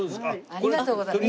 ありがとうございます。